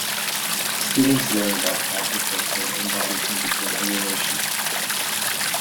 Students learn about proper foot care and body temperature regulation.